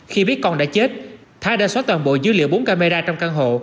khi biết con đã chết thái đã xóa toàn bộ dữ liệu bốn camera trong căn hộ